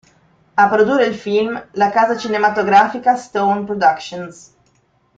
A produrre il film la casa cinematografica Stone Productions.